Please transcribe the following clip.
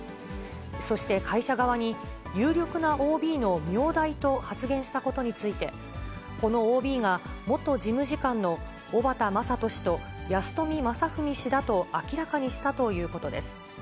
そして会社側に、有力なＯＢの名代と発言したことについて、このＯＢが元事務次官の小幡政人氏と安富正文氏だと明らかにしたということです。